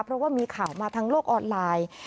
เพราะว่ามีข่าวมาทางโลกออนไลน์